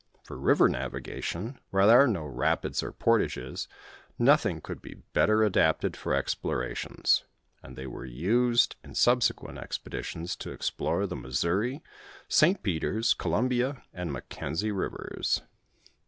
For river navigation, whore there are no rapids or portages, nothing could be better adapted for explorations ; and they were nt jd in subse quent expeditions to explore the Missouri, Si Peter's, Columbia, anQ Mackenzie rivers.